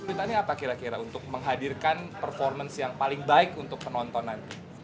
kesulitannya apa kira kira untuk menghadirkan performance yang paling baik untuk penonton nanti